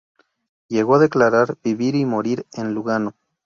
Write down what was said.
Llegó a declarar: "Vivir y morir en Lugano".